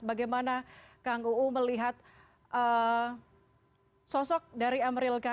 bagaimana kang uu melihat sosok dari emeril khan